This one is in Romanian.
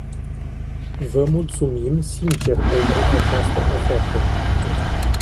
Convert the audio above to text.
Vă mulțumim sincer pentru această ofertă.